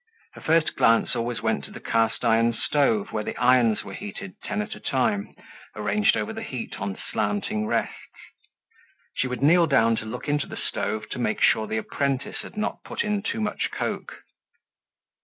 Her first glance always went to the cast iron stove where the irons were heated ten at a time, arranged over the heat on slanting rests. She would kneel down to look into the stove to make sure the apprentice had not put in too much coke.